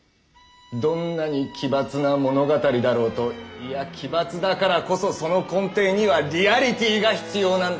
どんなに奇抜な物語だろうといや奇抜だからこそその根底には「リアリティ」が必要なんだ！